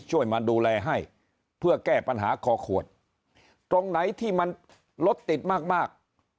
มาดูแลให้เพื่อแก้ปัญหาคอขวดตรงไหนที่มันรถติดมากมาก